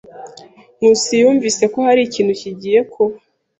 Nkusi yumvise ko hari ikintu kigiye kuba.